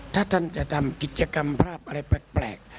ถ้าท่านจะทำกิจกรรมภาพอะไรแปลก